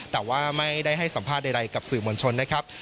แต่ว่าไม่ได้ให้สัมภาษณ์ใดกับสื่อมวลชนนะครับ